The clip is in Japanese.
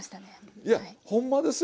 いやほんまですよ